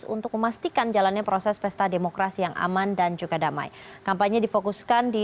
untuk memastikan jalannya proses pesta demokrasi yang aman dan juga damai kampanye difokuskan di